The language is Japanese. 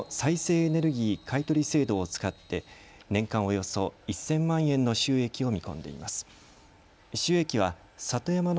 エネルギー買い取り制度を使って年間およそ１０００万円の収益を見込んでいます。